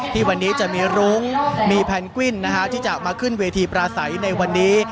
ที่วันนี้จะมีรุ้งมีแพนกวิ้นที่จะมาขึ้นเวทีปราศัยในวันนี้